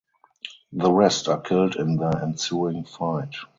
The rest are killed in the ensuing fight.